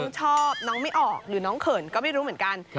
ชอบน้องไม่ออกหรือน้องเขินก็ไม่รู้เหมือนกัน